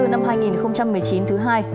năm hai nghìn một mươi chín thứ hai